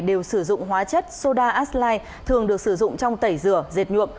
đều sử dụng hóa chất soda asline thường được sử dụng trong tẩy rửa dệt nhuộm